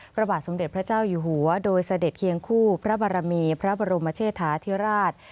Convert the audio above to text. พระบาทสมเด็จพระเจ้าอยู่หัวโดยเสด็จเคียงคู่พระบรมีพระบรมเชษฐาธิราช